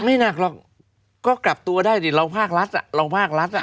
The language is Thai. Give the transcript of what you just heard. ไม่หนักหรอกก็กลับตัวได้ดิเราภาครัฐอ่ะเราภาครัฐอ่ะ